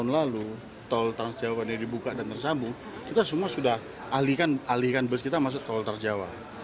lalu tol trans jawa ini dibuka dan tersambung kita semua sudah alihkan bus kita masuk tol trans jawa